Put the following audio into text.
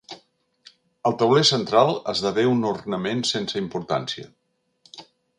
El tauler central esdevé un ornament sense importància.